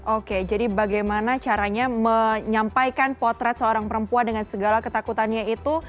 oke jadi bagaimana caranya menyampaikan potret seorang perempuan dengan segala ketakutannya itu